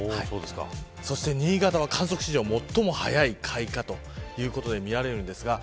そして新潟は観測史上最も早い開花ということで見られるんですが。